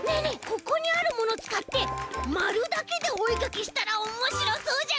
ここにあるものつかってまるだけでおえかきしたらおもしろそうじゃない？